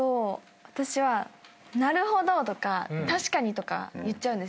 私は「なるほど」とか「確かに」とか言っちゃうんです。